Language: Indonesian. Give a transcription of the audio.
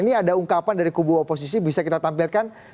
ini ada ungkapan dari kubu oposisi bisa kita tampilkan